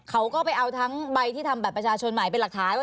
เขาก็ไปเอาทั้งใบที่ทำบัตรประชาชนใหม่เป็นหลักฐานว่า